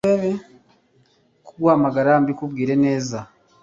kuguhamagara mbikubwire neza